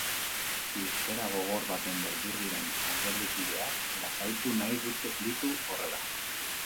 Irteera gogor baten beldur diren alderdikideak lasaitu nahi ditu horrela.